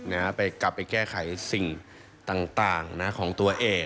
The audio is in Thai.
นะฮะไปกลับไปแก้ไขสิ่งต่างต่างนะของตัวเอง